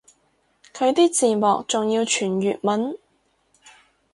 佢啲字幕仲要全粵文